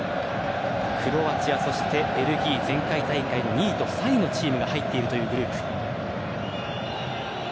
クロアチア、そしてベルギー前回大会の２位と３位のチームが入っているというグループ。